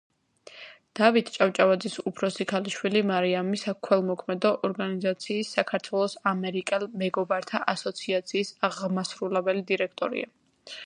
დავით ჭავჭავაძის უფროსი ქალიშვილი მარიამი საქველმოქმედო ორგანიზაციის „საქართველოს ამერიკელ მეგობართა ასოციაციის“ აღმასრულებელი დირექტორია.